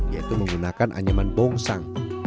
yaitu menggunakan anyaman bongsang